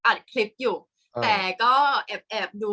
กากตัวทำอะไรบ้างอยู่ตรงนี้คนเดียว